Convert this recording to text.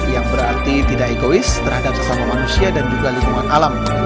yang berarti tidak egois terhadap sesama manusia dan juga lingkungan alam